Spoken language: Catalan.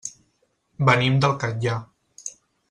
Venim del Catllar.